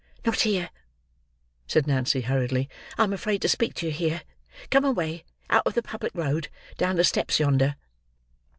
"Not here," said Nancy hurriedly, "I am afraid to speak to you here. Come away—out of the public road—down the steps yonder!"